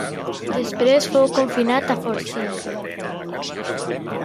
Després fou confinat a Fort Sill.